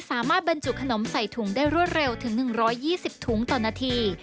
บรรจุขนมใส่ถุงได้รวดเร็วถึง๑๒๐ถุงต่อนาที